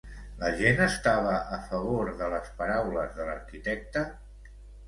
La gent estava a favor de les paraules de l'arquitecte?